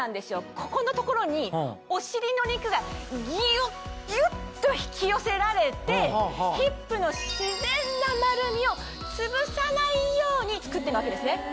ここの所にお尻の肉がギュギュっと引き寄せられてヒップの自然な丸みをつぶさないように作ってるわけですね。